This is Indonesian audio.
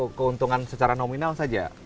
biasanya kalau keuntungan secara nominal saja